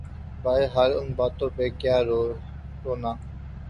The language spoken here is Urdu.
بہرحال ان باتوں پہ کیا رونا۔